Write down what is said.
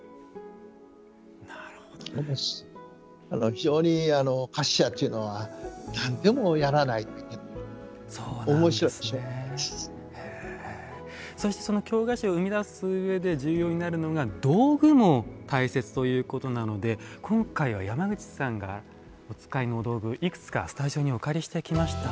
非常に菓子屋というのは何でもやらないといけないのでその京菓子を生み出す上で重要になるのが道具も大切ということなので今回は山口さんがお使いの道具いくつかスタジオにお借りしてきました。